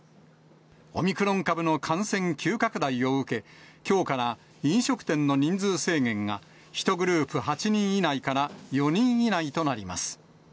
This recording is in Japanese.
オミクロン株の感染急拡大を受け、きょうから飲食店の人数制限が、１グループ８人以内から４人以内となります。